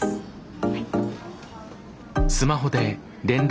はい。